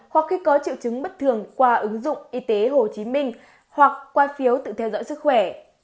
hoặc khi có triệu chứng bất thường qua ứng dụng y tế hồ chí minh hoặc qua phiếu tự theo dõi sức khỏe